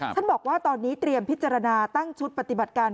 บอกว่าตอนนี้เตรียมพิจารณาตั้งชุดปฏิบัติการ